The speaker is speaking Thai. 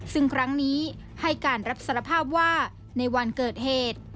ซึ่งครั้งนี้ให้การรับสารภาพว่าในวันเกิดเหตุ